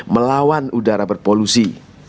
pembaikan udara berpolusi